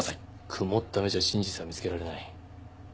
曇った目じゃ真実は見つけられない。